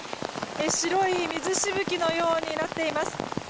白い水しぶきのようになっています。